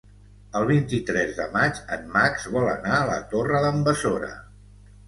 El vint-i-tres de maig en Max vol anar a la Torre d'en Besora.